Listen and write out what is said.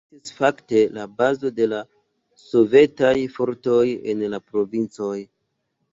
Ili estis fakte la bazo de la sovetaj fortoj en la provincoj.